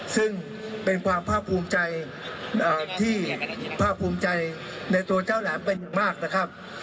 ซึ่งเป็นความภาคภูมิใจที่ภาคภูมิใจในตัวเจ้าแหลมเป็นอย่างมากนะครับ